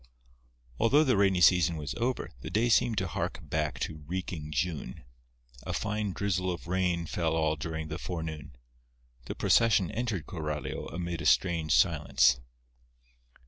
Although the rainy season was over, the day seemed to hark back to reeking June. A fine drizzle of rain fell all during the forenoon. The procession entered Coralio amid a strange silence.